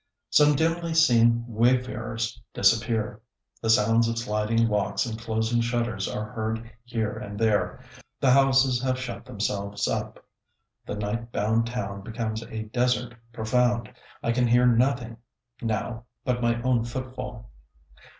Some dimly seen wayfarers disappear; the sounds of sliding locks and closing shutters are heard here and there; the houses have shut themselves up, the night bound town becomes a desert profound. I can hear nothing now but my own footfall.